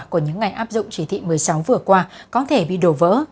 của những ngày áp dụng chỉ thị một mươi sáu vừa qua có thể bị đổ vỡ